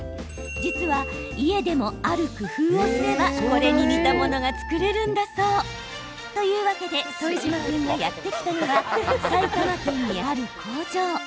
実は、家でもある工夫をすればこれに似たものが作れるんだそう。というわけで副島君がやって来たのは埼玉県にある工場。